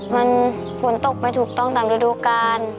มันฝนตกไม่ถูกต้องตามฤดูกาล